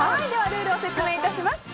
ルールを説明いたします。